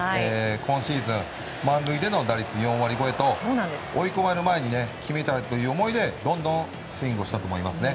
今シーズン、満塁での打率４割超えと追い込まれる前に決めたいという思いでどんどんスイングをしたと思いますね。